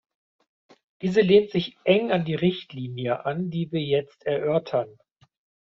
Diese lehnt sich eng an die Richtlinie an, die wir jetzt erörtern.